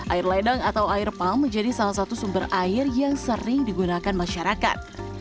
air ledeng atau air pump menjadi salah satu sumber air yang sering digunakan masyarakat